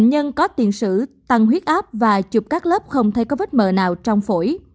nhân có tiền sử tăng huyết áp và chụp các lớp không thấy có vết mờ nào trong phổi